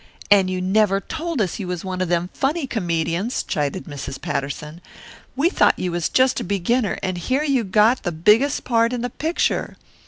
"And you never told us you was one of them funny comedians," chided Mrs. Patterson. "We thought you was just a beginner, and here you got the biggest part in the picture!